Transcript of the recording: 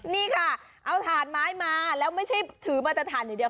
นี่ค่ะเอาถ่านไม้มาแล้วไม่ใช่ถือมาแต่ถ่านอย่างเดียว